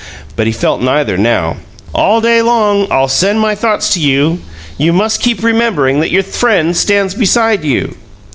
But he felt neither now. "ALL DAY LONG I'LL SEND MY THOUGHTS TO YOU. YOU MUST KEEP REMEMBERING THAT YOUR FRIEND STANDS BESIDE YOU."